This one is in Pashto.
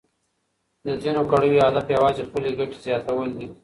د ځینو کړیو هدف یوازې خپلې ګټې زیاتول دي.